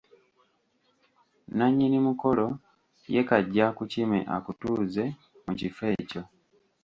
Nnanyini mukolo ye kajje akukime akutuuze mu kifo ekyo.